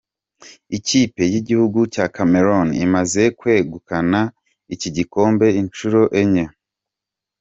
Ikipe y'igihugu cya Cameroon imaze kwegukana iki gikombe inshuro enye.